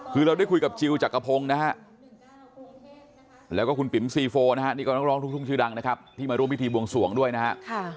คือเราได้คุยกับจิลจักรพงศ์นะฮะแล้วก็คุณปิ๋มซีโฟนะฮะนี่ก็นักร้องลูกทุ่งชื่อดังนะครับที่มาร่วมพิธีบวงสวงด้วยนะฮะ